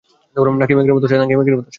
নাকি মেঘের মতো সাদা?